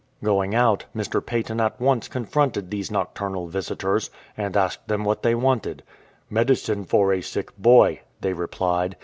Going out, Mr. Paton at once confronted these nocturnal visitors, and asked them what they wanted. " Medicine for a sick boy,"" they replied.